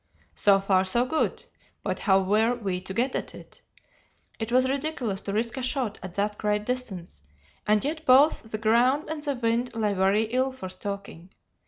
"So far so good; but how were we to get at it? It was ridiculous to risk a shot at that great distance, and yet both the ground and the wind lay very ill for stalking.